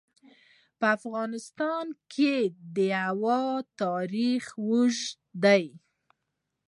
په افغانستان کې د هوا تاریخ اوږد دی.